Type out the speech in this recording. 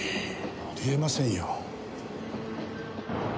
あり得ませんよ。